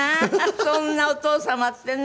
そんなお父様ってね。